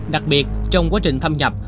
đặc biệt trong quá trình thâm nhập